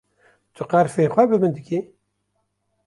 Tu qerfên xwe bi min dikî?